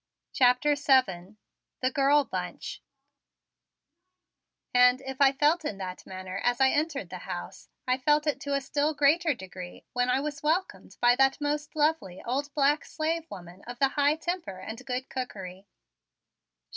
CHAPTER VII THE GIRL BUNCH And, if I felt in that manner as I entered the house, I felt it to a still greater degree when I was welcomed by that most lovely old black slave woman of the high temper and good cookery.